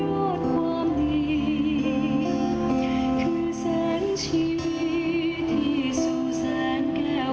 ยอดความดีคือแสงชีวิตที่สู่แสงแก่วแห่งรักล้อง